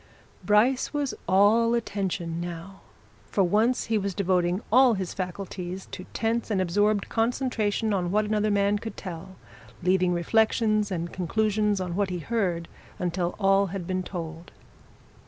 Bryce was all attention now for once he was devoting all his faculties to tense and absorbed concentration on what another man could tell, leaving reflections and conclusions on what he heard until all had been told.